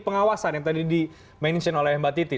pengawasan yang tadi di mention oleh mbak titi